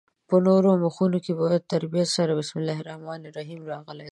په نورو مخونو کې په ترتیب سره بسم الله الرحمن الرحیم راغلې ده.